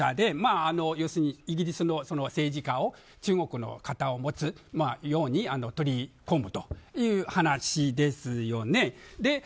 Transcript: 要するにイギリスの政治家を中国の肩を持つように取り込むという話ですよね。